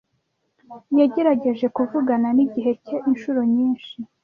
Yagerageje kuvugana nigihe cye inshuro nyinshi.